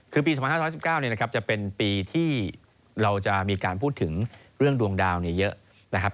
คือปีสมัย๕๒๙เนี่ยนะครับจะเป็นปีที่เราจะมีการพูดถึงเรื่องดวงดาวน์เนี่ยเยอะนะครับ